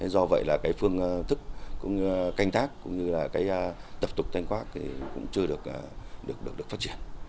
do vậy là phương thức canh tác cũng như tập tục thanh khoác cũng chưa được phát triển